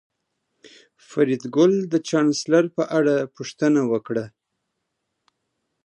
فریدګل د چانسلر په اړه پوښتنه وکړه